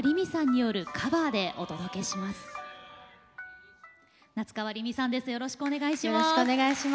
よろしくお願いします。